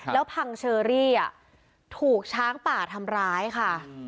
แล้วพังเชอรี่ถูกช้างป่าทำร้ายค่ะ